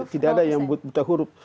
tidak ada yang buta huruf